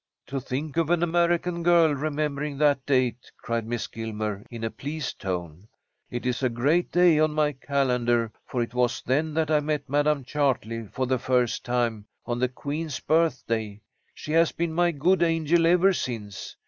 "To think of an American girl remembering that date!" cried Miss Gilmer, in a pleased tone. "It is a great day on my calendar, for it was then that I met Madam Chartley, for the first time, on the queen's birthday. She has been my good angel ever since.